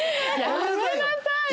やめなさいよ。